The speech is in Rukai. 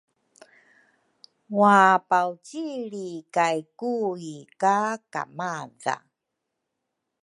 wapaucilri kay Kui ka kamadha.